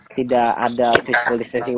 tidak ada physical distancing